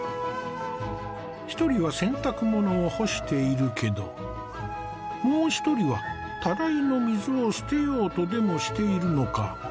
１人は洗濯物を干しているけどもう一人はたらいの水を捨てようとでもしているのか。